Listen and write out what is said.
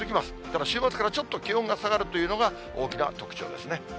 ただ、週末からちょっと気温が下がるというのが大きな特徴ですね。